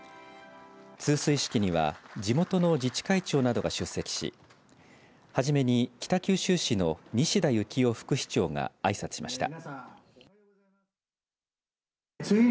通水式には地元の自治会長などが出席し初めに北九州市の西田幸生副市長があいさつしました。